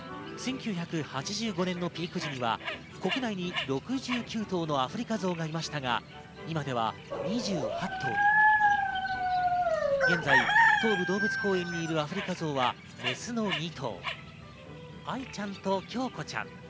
１９８５年のピーク時には国内に６９頭のアフリカゾウがいましたが、今では２８頭に現在、東武動物公園にいるアフリカゾウはメスの２頭、アイちゃんとキョウコちゃん。